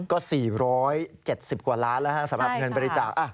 ก็๔๗๐กว่าล้านแล้วสำหรับเงินบริจาค